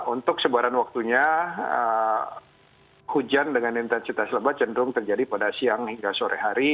untuk sebaran waktunya hujan dengan intensitas lebat cenderung terjadi pada siang hingga sore hari